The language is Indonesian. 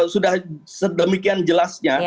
sudah sedemikian jelasnya